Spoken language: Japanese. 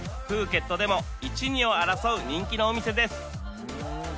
プーケットでも１２を争う人気のお店です